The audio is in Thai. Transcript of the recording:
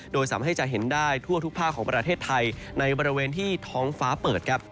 โดยสามารถให้จะเห็นได้ทั่วทุกภาคของประเทศไทยในบริเวณที่ท้องฟ้าเปิดครับ